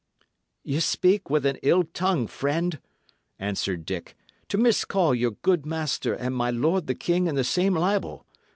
"Ye speak with an ill tongue, friend," answered Dick, "to miscall your good master and my lord the king in the same libel.